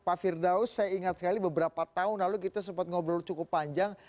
pak firdaus saya ingat sekali beberapa tahun lalu kita sempat ngobrol cukup panjang